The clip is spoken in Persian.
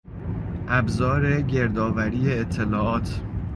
ابزار گردآوری اطلاعات.